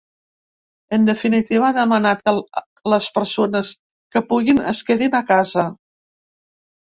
En definitiva, ha demanat que les persones que puguin es quedin a casa.